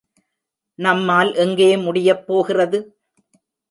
நம்மால் எங்கே முடியப் போகிறது?